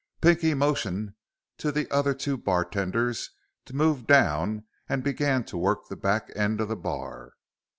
Pinky motioned to the other two bartenders to move down and began to work the back end of the bar.